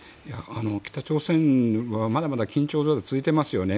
北朝鮮はまだまだ緊張状態が続いていますよね。